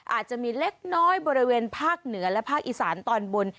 อาจจะมีเล็กน้อยบริเวณภาคเหนือและภาคอีสานตอนบน